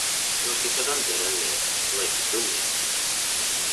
Ur tufiḍ anda ara nerr, teḍyeq ddunit.